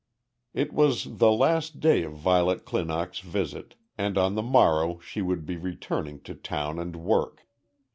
It was the last day of Violet Clinock's visit, and on the morrow she would be returning to town and work.